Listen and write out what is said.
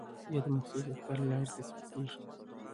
یا د مخصوص دفتر له لارې ثبتیږي.